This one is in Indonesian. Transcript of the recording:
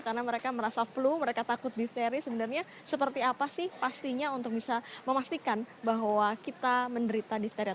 karena mereka merasa flu mereka takut difteri sebenarnya seperti apa sih pastinya untuk bisa memastikan bahwa kita menderita difteri atau tidak